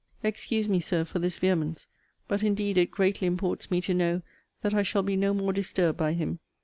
Excuse me, Sir, for this vehemence! But indeed it greatly imports me to know that I shall be no more disturbed by him.